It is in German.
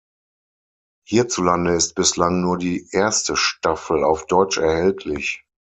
Hierzulande ist bislang nur die erste Staffel auf deutsch erhältlich.